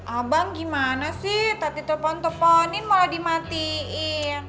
abang gimana sih tati telepon teleponin malah dimatiin